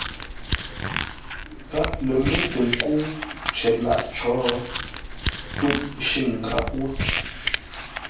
Gháp lər mə́ tə nkə́u cər lâʼ có tûʼ shʉ̂ŋ gháp wó.